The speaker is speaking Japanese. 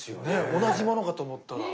同じものかと思ったら。